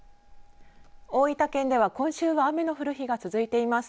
大分県では今週は雨の降る日が続いています。